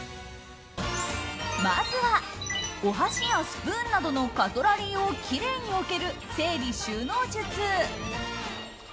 まずは、お箸やスプーンなどのカトラリーをきれいに置ける整理収納術。